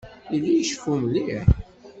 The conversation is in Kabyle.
Yella iceffu mliḥ.